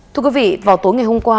thưa quý vị vào tối ngày hôm qua